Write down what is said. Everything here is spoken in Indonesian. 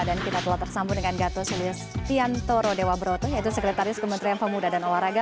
dan kita telah tersambung dengan gatot siliustian toro dewa broto yaitu sekretaris kementerian pemuda dan waraga